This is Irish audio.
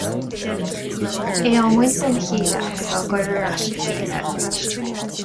É á mbaint óna chéile agus á gcur ar ais le chéile arís.